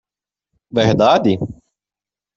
Verdade?